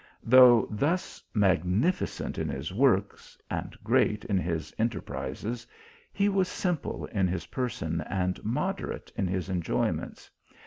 Though thus magnificent in his works, and great in his enterprises, he was simple in his person, and moderate in his enjoyments.